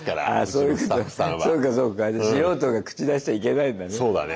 そうか素人が口出しちゃいけないんだね。